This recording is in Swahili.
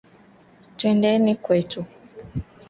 Twendeni tulombe ma jembe kwetu